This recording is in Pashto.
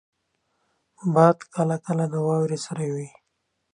باد کله کله د واورې سره وي